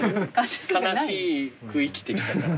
悲しく生きてきたから。